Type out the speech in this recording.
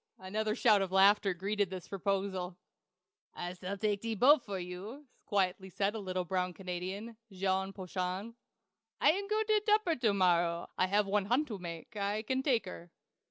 Another shout of laughter greeted this proposal. "I s'all take ze boat for you!" quietly said a little brown Canadian Jean Poiton. "I am go to Tupper to morrow. I have one hunt to make. I can take her."